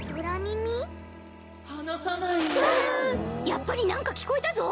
やっぱりなんかきこえたぞ！